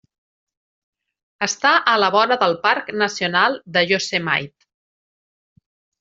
Està a la vora del Parc Nacional de Yosemite.